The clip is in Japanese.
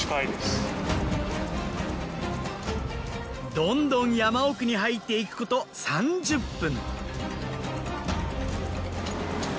どんどん山奥に入っていくこと３０分。